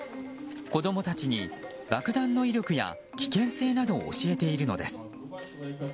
子供たちに爆弾の威力や危険性などを教えているのです。